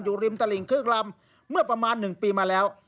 อยู่ริมตะหลิงเคือกรำเมื่อประมาณ๑ปีมาแล้ว